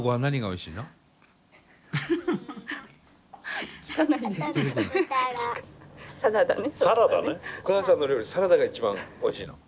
お母さんの料理サラダが一番おいしいの？